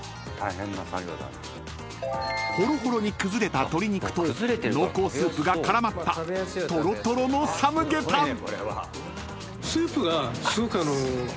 ［ホロホロに崩れた鶏肉と濃厚スープが絡まったとろとろのサムゲタン］